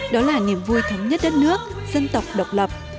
đó là niềm vui thống nhất đất nước dân tộc độc lập